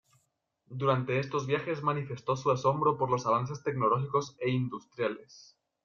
Durante estos viajes, manifestó su asombro por los avances tecnológicos e industriales.